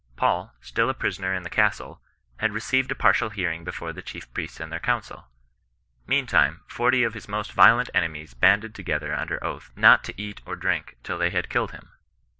Paul, still a prisoner in the castle, had received a partial hearing before the chief priests and their council. Meantime forty of his most violent enemies banded together under oath not to eat or drink till they had killed him.